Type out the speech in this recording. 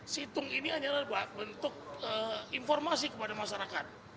situng ini hanyalah bentuk informasi kepada masyarakat